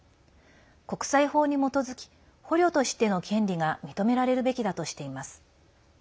国際法に基づき捕虜としての権利が認められるべきだとしています。